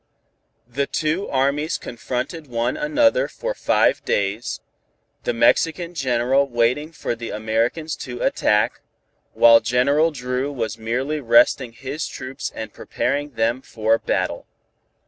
The two armies confronted one another for five days, General Benevides waiting for the Americans to attack, while General Dru was merely resting his troops and preparing them for battle.